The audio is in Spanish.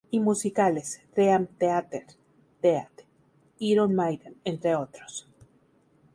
Y musicales, Dream Theater, Death, Iron Maiden, entre otros.